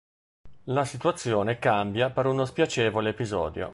La situazione cambia per uno spiacevole episodio.